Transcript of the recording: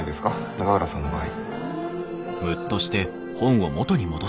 永浦さんの場合。